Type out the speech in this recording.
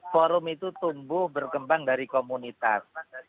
forum itu tumbuh berkembang dari komunitas